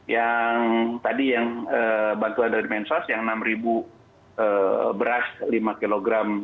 yang tadi yang bantuan dari mensos yang enam ribu beras lima kg